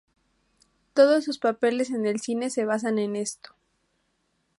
Todos sus papeles en el cine se basan en esto.